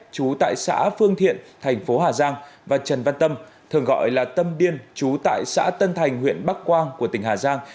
chú tại xã phương thiện thành phố hà giang và trần văn tâm thường gọi là tâm điên chú tại xã tân thành huyện bắc quang của tỉnh hà giang